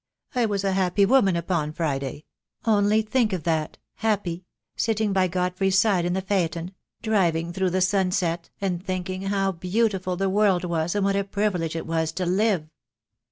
I was a happy woman upon Friday; only think of that — happy — sitting by Godfrey's side in the phaeton, driving through the sunset, and thinking how beautiful the world was and what a privilege it was to live.